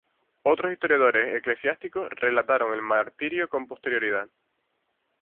Otros historiadores eclesiásticos relataron el martirio con posterioridad.